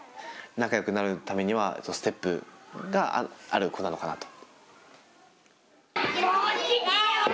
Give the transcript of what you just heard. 仲よくなるためにはそのステップがある子なのかなと。